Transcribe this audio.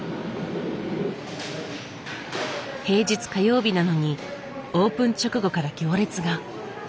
平日火曜日なのにオープン直後から行列が。